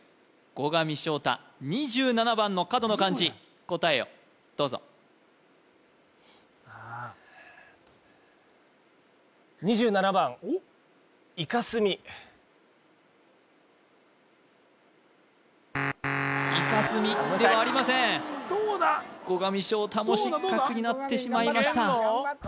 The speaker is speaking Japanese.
後上翔太２７番の角の漢字答えをどうぞいかすみではありません後上翔太も失格になってしまいました